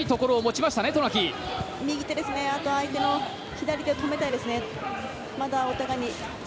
相手の左手を止めたいですね。